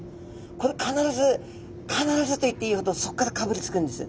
これ必ず必ずと言っていいほどそっからかぶりつくんです。